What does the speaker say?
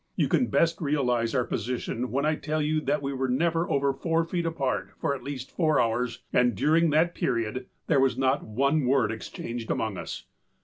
You can best realize our position when I tell you that we were never over four feet apart for at least four hours and during that period there was not one word exchanged among us.